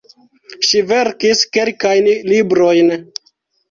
Ŝi verkis kelkajn librojn.